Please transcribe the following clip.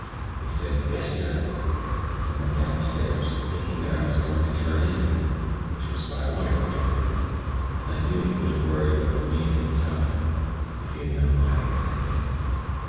He said, 'Yes, sir,' and went downstairs, thinking that I was going to turn in, which was what I wanted him to believe, as I knew he would have worried both me and himself, if he had known what I intended.